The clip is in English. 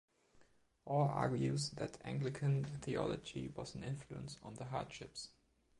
Orr argues that Anglican theology was an influence on the "Hardships".